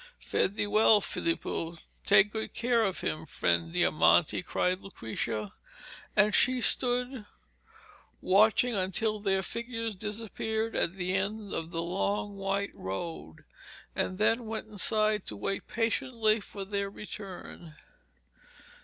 'Fare thee well, Filippo. Take good care of him, friend Diamante,' cried Lucrezia; and she stood watching until their figures disappeared at the end of the long white road, and then went inside to wait patiently for their return.